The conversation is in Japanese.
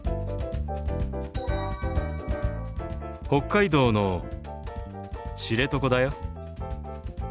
北海道の知床だよ。